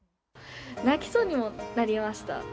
泣きそうにもなりました。